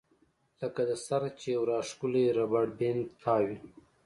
لکه د سر نه چې يو راښکلی ربر بېنډ تاو وي